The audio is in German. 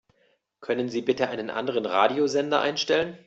Können Sie bitte einen anderen Radiosender einstellen?